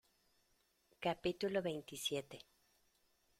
capítulo veintisiete.